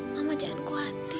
mama jangan khawatir